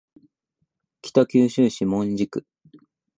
北九州市門司区